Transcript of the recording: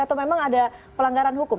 atau memang ada pelanggaran hukum